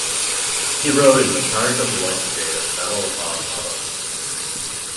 He rode in the Charge of the Light Brigade at the Battle of Balaclava.